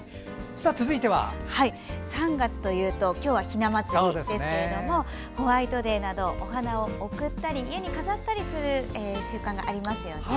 続いて、３月というと今日はひな祭りですがホワイトデーなどお花を贈ったり家に飾ったりする習慣がありますよね。